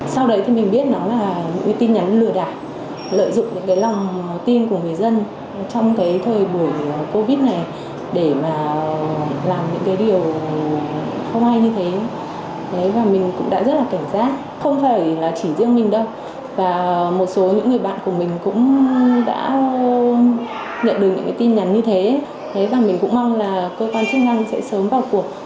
chị đã nhận được những tin nhắn như thế và mình cũng mong là cơ quan chức năng sẽ sớm vào cuộc